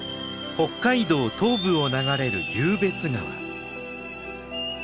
北海道東部を流れる湧別川。